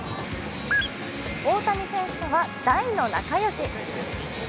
大谷選手とは大の仲良し。